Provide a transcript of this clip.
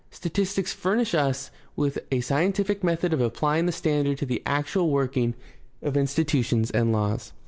Statistics furnish us with a scientific method of applying the standard to the actual working of institutions and laws.